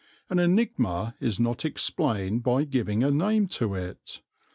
An enigma is not explained by giving a name to it.